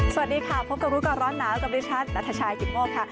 สวัสดีค่ะพบกับรู้ก่อนร้อนหนาวกับดิฉันนัทชายกิตโมกค่ะ